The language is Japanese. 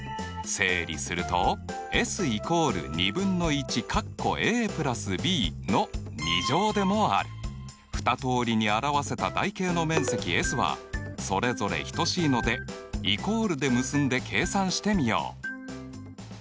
整理すると２通りに表せた台形の面積Ｓはそれぞれ等しいのでイコールで結んで計算してみよう。